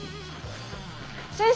先生！